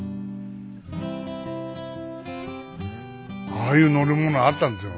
ああいう乗り物あったんですよ。